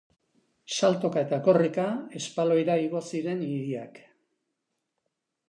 Saltoka eta korrika, espaloira igo ziren idiak.